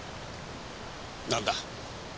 なんだ？